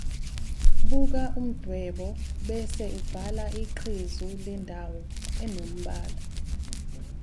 Buka umdwebo bese ubhala iqhezu lendawo enombala.